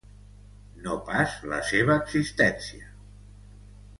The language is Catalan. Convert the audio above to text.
No pas la seva existència!